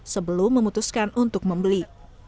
sebelum memutuskan untuk membeli